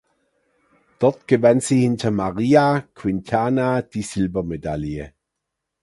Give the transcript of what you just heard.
Dort gewann sie hinter Maria Quintana die Silbermedaille.